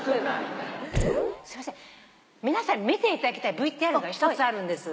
すいません皆さんに見ていただきたいＶＴＲが１つあるんです。